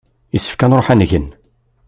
Yessefk ad nṛuḥ ad ngen.